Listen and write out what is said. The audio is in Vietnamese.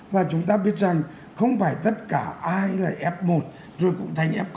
và chúng ta biết rằng không phải tất cả ai là f một rồi cũng thành f